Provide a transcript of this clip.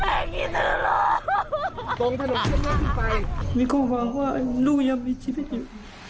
ลูกยังมีชีวิตอยู่